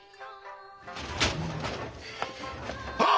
あ！